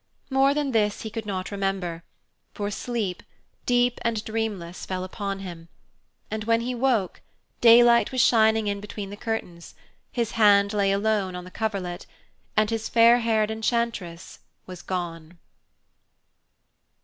More than this he could not remember, for sleep, deep and dreamless, fell upon him, and when he woke, daylight was shining in between the curtains, his hand lay alone on the coverlet, and his fair haired enchantress was gone.